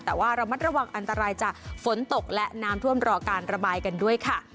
แต่ว่าระมัดระวังอันตรายจากฝนตกและน้ำท่วมรอการระบายกันด้วยค่ะ